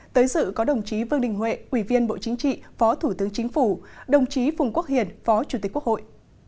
tới sự có đồng chí vương đình huệ quỷ viên bộ chính trị phó thủ tướng chính phủ đồng chí phùng quốc hiền phó chủ tịch quốc hội